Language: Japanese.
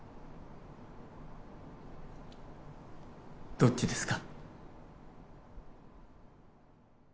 どっちですか？